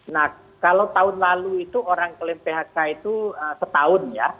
nah kalau tahun lalu itu orang klaim phk itu setahun ya